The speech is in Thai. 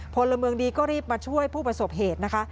พลเมืองดีก็รีบมาช่วยผู้ประสบเหตุนะคะ